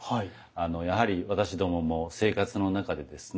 やはり私どもも生活の中でですね